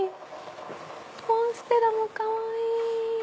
モンステラもかわいい！